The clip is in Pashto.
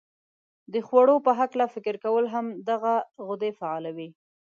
د خوړو په هلکه فکر کول هم دغه غدې فعالوي.